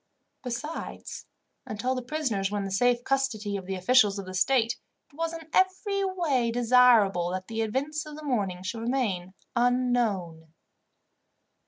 Besides, until the prisoners were in the safe custody of the officials of the state, it was in every way desirable that the events of the morning should remain unknown.